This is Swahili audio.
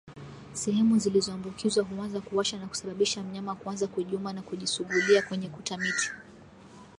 Sehemu zilizoambukizwa huanza kuwasha na kusababisha mnyama kuanza kujiuma na kujisugulia kwenye kuta miti